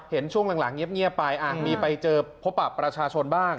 ช่วงหลังเงียบไปมีไปเจอพบประชาชนบ้าง